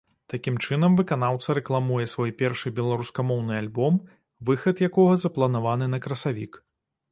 Такім чынам выканаўца рэкламуе свой першы беларускамоўны альбом, выхад якога запланаваны на красавік.